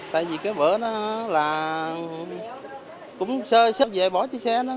tại vì cái vợ nó là cũng sơ sơ về bỏ chiếc xe nó